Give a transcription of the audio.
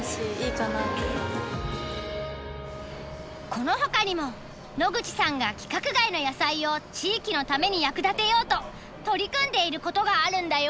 このほかにも野口さんが規格外の野菜を地域のために役立てようと取り組んでいることがあるんだよ。